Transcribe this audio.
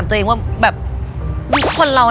มีความรักของเรา